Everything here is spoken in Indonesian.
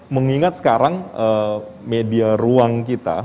mengingat sekarang media ruang kita